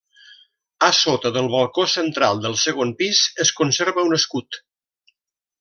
A sota del balcó central del segon pis es conserva un escut.